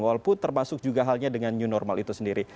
walaupun termasuk juga halnya dengan new normal itu sendiri